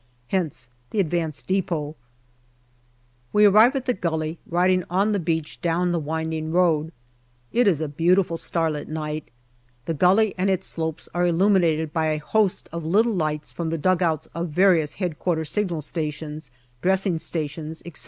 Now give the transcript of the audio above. Hence the advanced depot. 182 GALLIPOLI DIARY We arrive at the gully, riding on to the beach down the winding road. It is a beautiful starlight night. The gully and its slopes are illuminated by a host of little lights from the dugouts of various H.O. signal stations, dressing stations, etc.